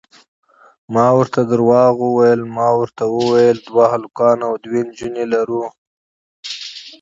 ما ورته درواغ وویل، ما ورته وویل دوه هلکان او دوې نجونې لرو.